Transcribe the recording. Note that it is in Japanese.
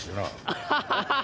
アハハハ！